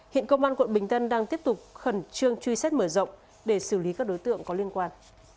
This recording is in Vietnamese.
hiện công an quận bình tân đang tiếp tục khẩn trương truy xét mở rộng để xử lý các đối tượng có liên quan